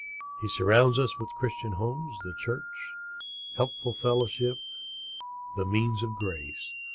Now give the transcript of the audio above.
He surrounds us with Christian homes, the Church, helpful fellowship, the means of grace.